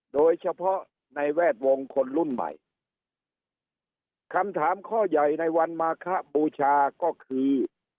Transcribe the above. โดยเฉพาะในแวดวงคนรุ่นใหม่คำถามข้อใหญ่ในวันมาคบูชาก็คือ